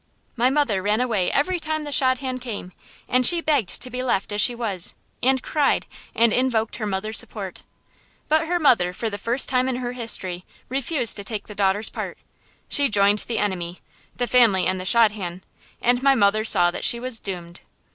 My mother ran away every time the shadchan came, and she begged to be left as she was, and cried, and invoked her mother's support. But her mother, for the first time in her history, refused to take the daughter's part. She joined the enemy the family and the shadchan and my mother saw that she was doomed.